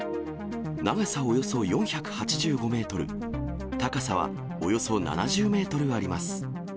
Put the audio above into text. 長さおよそ４８５メートル、高さはおよそ７０メートルあります。